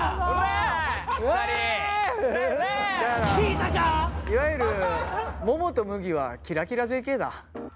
いわゆるももとむぎはキラキラＪＫだ。